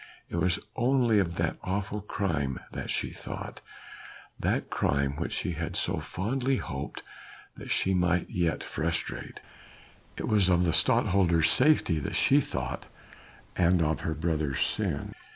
It was only of that awful crime that she thought, that crime which she had so fondly hoped that she might yet frustrate: it was of the Stadtholder's safety that she thought and of her brother's sin.